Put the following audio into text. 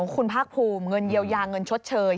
คุณภาคภูมิเงินเยียวยาเงินชดเชย